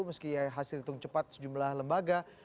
meski hasil hitung cepat sejumlah lembaga